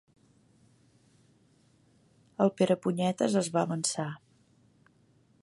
El Perepunyetes es va avançar.